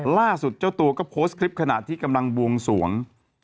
ล่าสุดเจ้าตัวก็โพสต์คลิปขณะที่กำลังบวงสวง